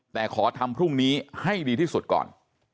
แต่ขอทำพรุ่งนี้ให้ดีที่สุดก่อน